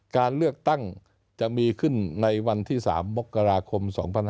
การเลือกตั้งจะมีขึ้นในวันที่๓มกราคม๒๕๖๒